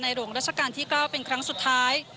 หลวงราชการที่๙เป็นครั้งสุดท้าย